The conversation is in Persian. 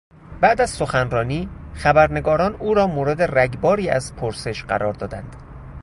بعد از سخنرانی، خبرنگاران او را مورد رگباری از پرسش قرار دادند.